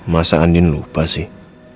masa andin lupa sih